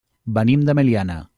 Venim de Meliana.